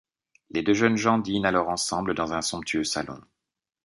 Les deux jeunes gens dînent alors ensemble dans un somptueux salon.